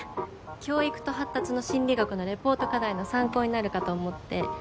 「教育と発達の心理学」のレポート課題の参考になるかと思ってさっき図書館で借りたの。